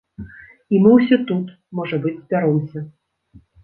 І мы ўсе тут, можа быць, збяромся.